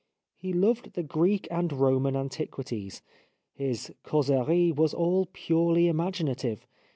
He loved the Greek and Roman antiquities. His causer ie was all purely imaginative.